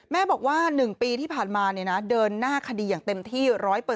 แม่บอกว่า๑ปีที่ผ่านมาเดินหน้าคดีอย่างเต็มที่๑๐๐